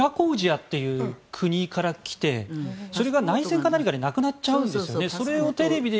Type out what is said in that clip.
映画ではクラコウジアという国でそれが内戦か何かでなくなっちゃうんですよね。